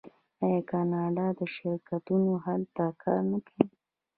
آیا کاناډایی شرکتونه هلته کار نه کوي؟